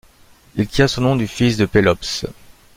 Il tient son nom du fils de Pélops.